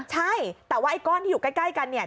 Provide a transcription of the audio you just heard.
ใช่แต่ว่าไอ้ก้อนที่อยู่ใกล้กันเนี่ย